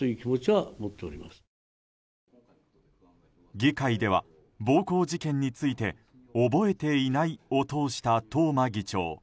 議会では、暴行事件について覚えていないを通した東間議長。